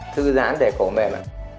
thư giãn để cổ mềm